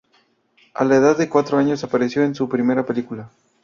A la edad de cuatro años apareció en su primera película.